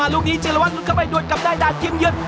ออกมาลูกนี้เจียรวรรดิลุดเข้าไปด้วยกับได้ดาเทียมเยอะ